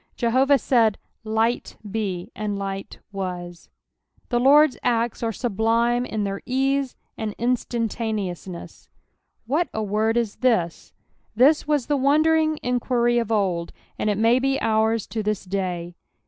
Jehoviih aaid, "Light be," and light waa. The XiOrd's acts arc mhlitne in their ease and instaataneousncss. "What a word is this)" This was the wondering enijuiry of old, and it may be ours to this day.